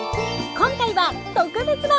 今回は特別版。